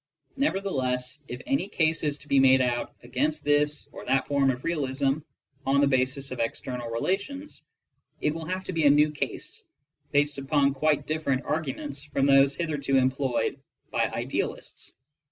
Nevertheless, if any case is to be made out against this or that form of realism on the basis of external rela tions, it will have to be a new case, based upon quite different argu ments from those hitherto employed by idealists.